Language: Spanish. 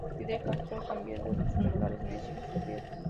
Fidel Castro va cambiando sus modales necios y fríos.